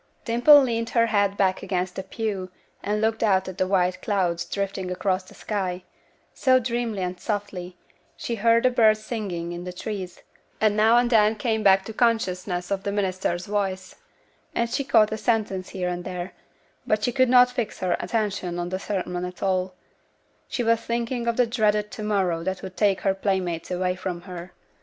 Dimple leaned her head back against the pew, and looked out at the white clouds drifting across the sky, so dreamily and softly; she heard the birds singing in the trees, and now and then came back to a consciousness of the minister's voice, and she caught a sentence here and there; but she could not fix her attention on the sermon at all; she was thinking of the dreaded to morrow that would take her playmates away from her.